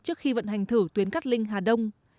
trước khi vận hành thử tuyến cát linh hà đông